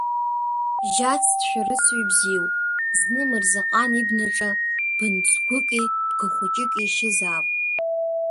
Жьац дшәарыцаҩ бзиоуп, зны Мырзаҟан ибнаҿы бынцгәыки бгахәыҷыки ишьызаап.